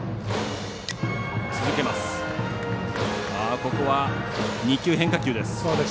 ここは２球、変化球です。